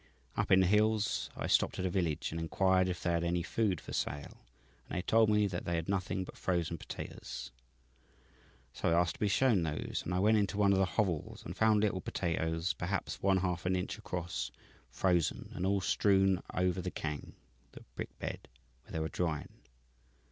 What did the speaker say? "Up in the hills I stopped at a village and inquired if they had any food for sale, and they told me that they had nothing but frozen potatoes. So I asked to be shown those, and I went into one of the hovels and found little potatoes, perhaps one half an inch across, frozen, and all strewn over the kang (the brick bed), where they were drying.